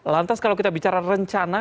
lantas kalau kita bicara rencana